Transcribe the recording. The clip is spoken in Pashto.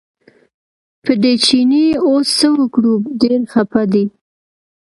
په دې چیني اوس څه وکړو ډېر خپه دی.